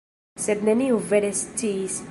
Sed neniu vere sciis.